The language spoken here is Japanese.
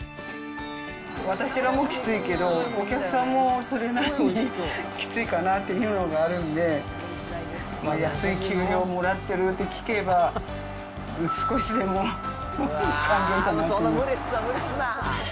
私らもきついけど、お客さんもそれなりにきついかなっていうのがあるんで、まあ、安い給料もらってるって聞けば、少しでも還元したいなと思って。